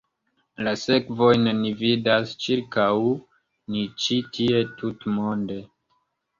La sekvojn ni vidas ĉirkaŭ ni ĉie, tutmonde.